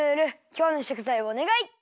きょうのしょくざいをおねがい！